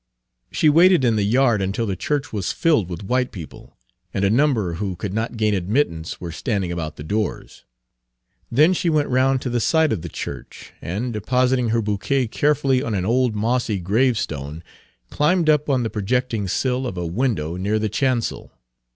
She waited in the yard until the church was filled with white people, and a number who could not gain admittance were standing about the doors. Then she went round to the side of the church, and, depositing her bouquet carefully Page 286 on an old mossy gravestone, climbed up on the projecting sill of a window near the chancel.